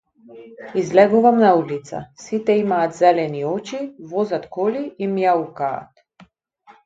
Излегувам на улица, сите имаат зелени очи, возат коли и мјаукаат.